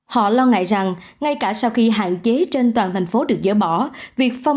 họ lo ngại rằng ngay cả sau khi hạn chế trên toàn thành phố được dỡ bỏ